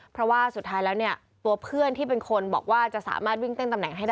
เพราะว่าสุดท้ายแล้วเนี่ยตัวเพื่อนที่เป็นคนบอกว่าจะสามารถวิ่งเต้นตำแหน่งให้ได้